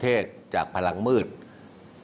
วันนี้นั้นผมจะมาพูดคุยกับทุกท่าน